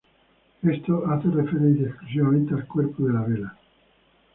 Esto hace referencia exclusivamente al cuerpo de la vela.